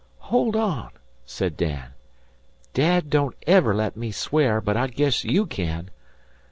"Hold on," said Dan. "Dad don't ever let me swear, but I guess you can.